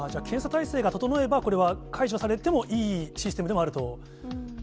検査体制が整えば、これは解除されてもいいシステムではあると？